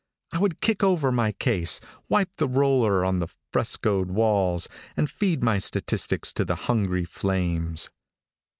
I would kick over my case, wipe the roller on the frescoed walls, and feed my statistics, to the hungry flames.